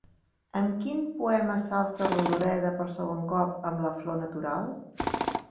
Amb quin poema s'alça Rodoreda per segon cop amb la Flor Natural?